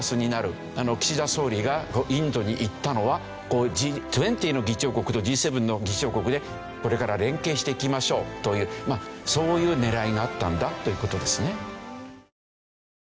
岸田総理がインドに行ったのはＧ２０の議長国とＧ７の議長国でこれから連携していきましょうというそういう狙いがあったんだという事ですね。